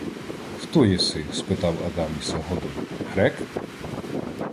— Хто єси? — спитав Адаміса Годой. — Грек?